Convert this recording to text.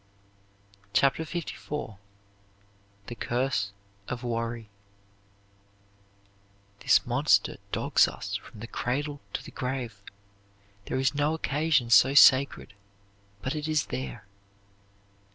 CHAPTER LIV THE CURSE OF WORRY This monster dogs us from the cradle to the grave. There is no occasion so sacred but it is there.